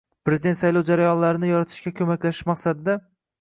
Prezidenti saylovi jarayonlarini yoritishga ko‘maklashish maqsadida